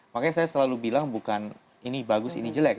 makanya saya selalu bilang bukan ini bagus ini jelek